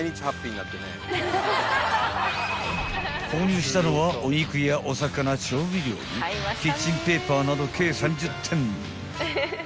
［購入したのはお肉やお魚調味料にキッチンペーパーなど計］